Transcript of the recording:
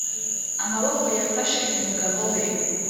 amaboko yafashe umugabo we,